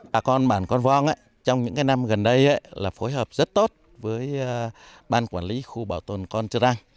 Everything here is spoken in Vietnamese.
bà con bản con vong trong những năm gần đây là phối hợp rất tốt với ban quản lý khu bảo tồn con trơ răng